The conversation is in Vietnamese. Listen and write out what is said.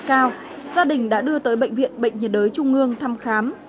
cao gia đình đã đưa tới bệnh viện bệnh nhiệt đới trung ương thăm khám